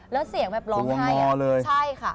แล้วเสียงแบบร้องให้